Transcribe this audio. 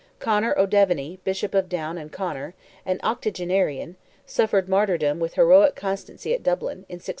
Conor O'Devany, Bishop of Down and Conor, an octogenarian, suffered martyrdom with heroic constancy at Dublin, in 1611.